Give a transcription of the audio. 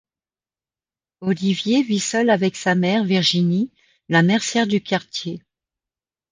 Olivier vit seul avec sa mère Virginie, la mercière du quartier.